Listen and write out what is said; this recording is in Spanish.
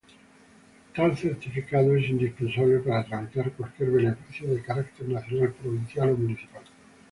Tal certificado es indispensable para tramitar cualquier beneficio de carácter nacional, provincial o municipal.